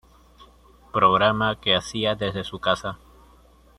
Programa que hacía desde su casa.